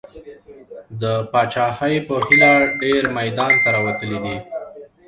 د پاچاهۍ په هیله ډېر میدان ته راوتلي دي.